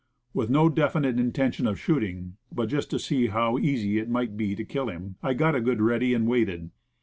With no definite intention of shoot ing, but just to see how easy it might be to kill him, I got a good ready, and waited.